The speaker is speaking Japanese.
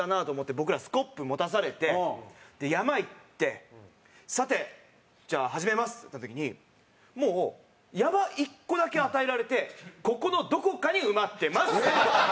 僕らスコップ持たされてで山行って「さてじゃあ始めます」って言った時にもう山１個だけ与えられて「ここのどこかに埋まってます」。